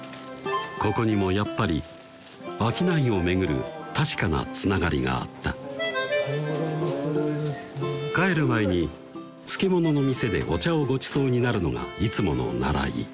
ここにもやっぱり商いを巡る確かなつながりがあった帰る前に漬物の店でお茶をごちそうになるのがいつものならい